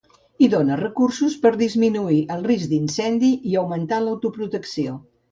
I dona recursos per disminuir el risc d'incendi i augmentar l'autoprotecció.